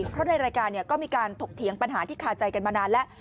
เพราะในรายการก็มีการถกเถียงปัญหาที่คาใจกันมานานแล้ว